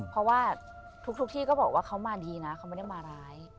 เพราะว่าทุกที่ก็บอกว่าเขามาดีนะเขาไม่ได้มาร้าย